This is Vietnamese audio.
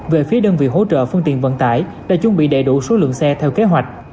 về phía đơn vị hỗ trợ phương tiện vận tải đã chuẩn bị đầy đủ số lượng xe theo kế hoạch